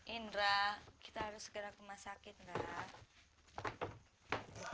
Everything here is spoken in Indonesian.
indra kita harus segera ke rumah sakit mbak